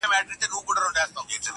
لاره ورکه سوه د کلي له وګړو-